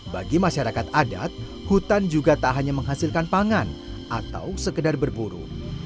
bagi masyarakat adat hutan juga tak hanya menghasilkan pangan atau sekedar berburu